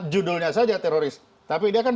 judulnya saja teroris tapi dia kan